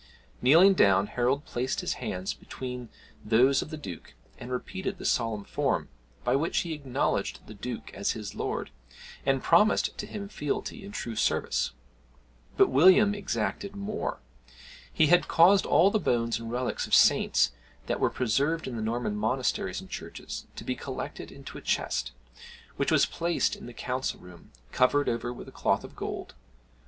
Kneeling down, Harold placed his hands between those of the Duke, and repeated the solemn form, by which he acknowledged the Duke as his lord, and promised to him fealty and true service. But William exacted more. He had caused all the bones and relics of saints, that were preserved in the Norman monasteries and churches, to be collected into a chest, which was placed in the council room, covered over with a cloth of gold.